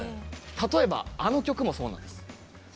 例えば、あの曲もそうなんです。